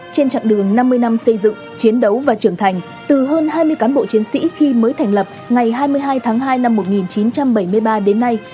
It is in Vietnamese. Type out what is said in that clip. trên trạng đường năm mươi năm xây dựng chiến đấu và trưởng thành từ hơn hai mươi cán bộ chiến sĩ khi mới thành lập ngày hai mươi hai tháng hai năm một nghìn chín trăm bảy mươi ba đến nay